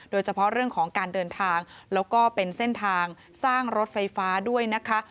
โดยเฉพาะเรื่องของการเดินทางแล้วก็เป็นเส้นทางสร้างรถไฟฟ้าด้วยนะคะ